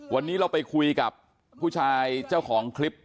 วันนี้เราไปคุยกับผู้ชายเจ้าของคลิป